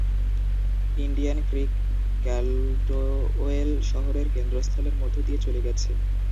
Indian Creek Caldwell শহরের কেন্দ্রস্থলের মধ্য দিয়ে চলে গেছে।